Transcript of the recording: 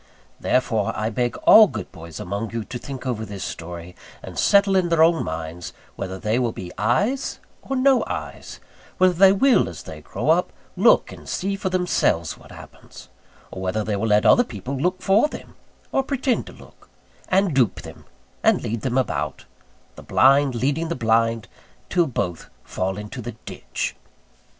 Therefore I beg all good boys among you to think over this story, and settle in their own minds whether they will be eyes or no eyes; whether they will, as they grow up, look and see for themselves what happens: or whether they will let other people look for them, or pretend to look; and dupe them, and lead them about the blind leading the blind, till both fall into the ditch.